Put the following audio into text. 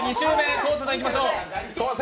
昴生さんいきましょう。